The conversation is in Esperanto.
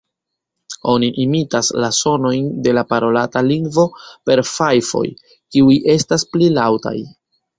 Oni imitas la sonojn de la parolata lingvo per fajfoj, kiuj estas pli laŭtaj.